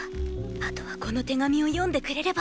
あとはこの手紙を読んでくれれば。